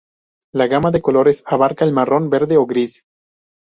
La gama de colores abarca el marrón, verde o gris.